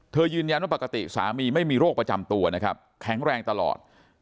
ยืนยันว่าปกติสามีไม่มีโรคประจำตัวนะครับแข็งแรงตลอด